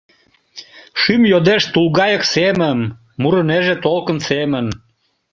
Шӱм йодеш тулгайык семым, мурынеже толкын семын.